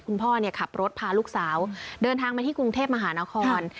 คุณพ่อขับรถพาลูกสาวเดินทางมาที่กรุงเทพมหานคร